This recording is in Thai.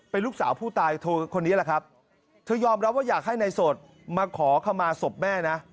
เป็นลูกสาวผู้ตายเธอคนนี้แหละครับเธอยอมรับว่าอยากให้นายโสดมาขอขมาศพแม่นะ